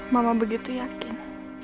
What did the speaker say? mama begitu yakin